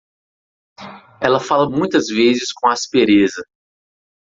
Ela fala muitas vezes com aspereza